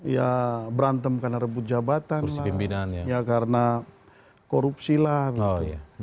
ya berantem karena rebut jabatan ya karena korupsi lah misalnya